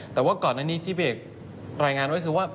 แต่ว่าก่อนอันนี้ที่พี่เอกรายงานไว้คือว่า